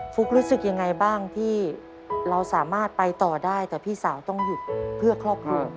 ฟุ๊กรู้สึกยังไงบ้างที่เราสามารถไปต่อได้แต่พี่สาวต้องหยุดเพื่อครอบครัว